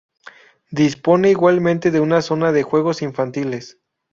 Dispone igualmente de una zona de juegos infantiles.